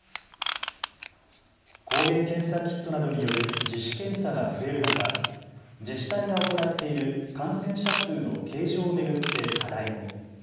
抗原検査キットなどによる自主検査が増える中、自治体が行っている感染者数の計上を巡って課題も。